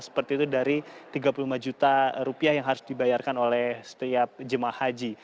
seperti itu dari rp tiga puluh lima yang harus dibayarkan oleh setiap jemaah haji